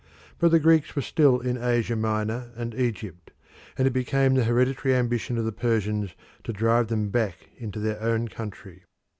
But the Greeks were still in Asia Minor and Egypt, and it became the hereditary ambition of the Persians to drive them back into their own country.